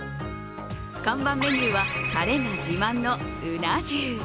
看板メニューはタレが自慢のうな重。